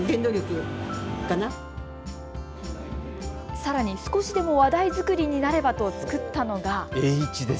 さらに少しでも話題作りになればと作ったのが。